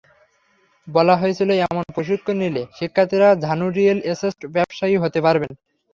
বলা হয়েছিল, এমন প্রশিক্ষণ নিলে শিক্ষার্থীরা ঝানু রিয়েল এস্টেট ব্যবসায়ী হতে পারবেন।